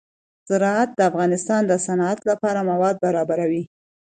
زراعت د افغانستان د صنعت لپاره مواد برابروي.